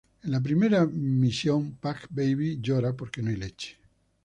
En la primera misión, Pac-Baby llora porque no hay leche.